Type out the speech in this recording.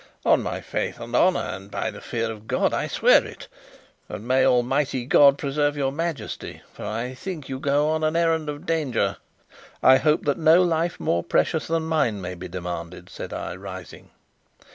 "On my faith and honour, and by the fear of God, I swear it! And may Almighty God preserve your Majesty, for I think that you go on an errand of danger." "I hope that no life more precious than mine may be demanded," said I, rising.